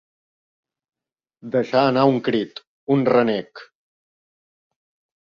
Deixar anar un crit, un renec.